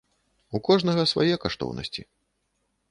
У кожнага свае каштоўнасці.